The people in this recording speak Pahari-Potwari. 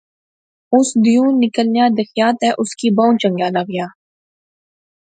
اُس دیہوں نکلنا دیخیا تے اُس کی بہوں چنگا لغیا